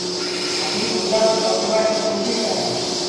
همي بُگلآ ڪوُ پڙوآ ڪيٚ ڪوشش ڪرآ۔